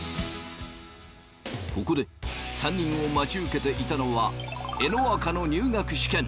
ここで３人を待ち受けていたのはえのアカの入学試験。